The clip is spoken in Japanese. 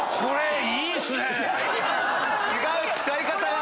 違う使い方が！